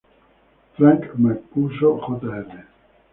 Frank Mancuso Jr.